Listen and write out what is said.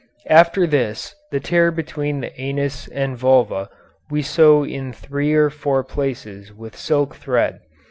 After this the tear between the anus and vulva we sew in three or four places with silk thread.